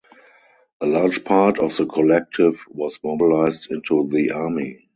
A large part of the collective was mobilized into the army.